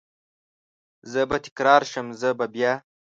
زه به تکرار شم، زه به بیا،